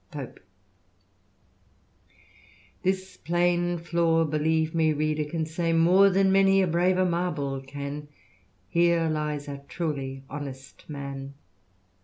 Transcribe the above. PoE» •*— This plain floor, Believe me, reader, can say more Than many a braver marble can. Here lies a truly honest man."